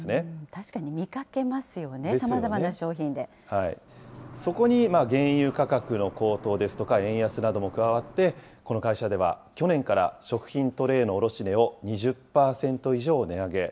確かに見かけますよね、さまそこに原油価格の高騰ですとか、円安なども加わって、この会社では、去年から食品トレーの卸値を２０％以上値上げ。